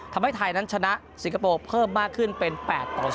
ทำให้ไทยนั้นชนะสิงคโปร์เพิ่มมากขึ้นเป็น๘ต่อ๐